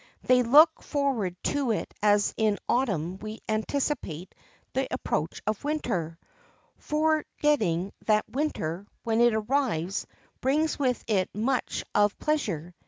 They look forward to it as in Autumn we anticipate the approach of Winter, forgetting that Winter, when it arrives, brings with it much of pleasure.